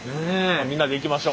みんなでいきましょう。